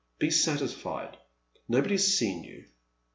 Be satisfied, — nobody has seen you."